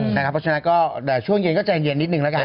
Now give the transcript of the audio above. เพราะฉะนั้นก็ช่วงเย็นก็ใจเย็นนิดนึงแล้วกัน